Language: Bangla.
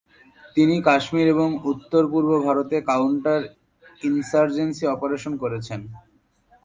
তিনি কাশ্মীর এবং উত্তর-পূর্ব ভারতে কাউন্টার-ইনসার্জেন্সী অপারেশন করেছেন।